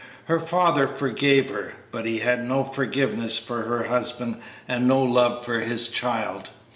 Her father forgave her, but he had no forgiveness for her husband and no love for his child.